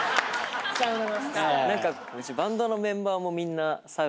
うちバンドのメンバーも。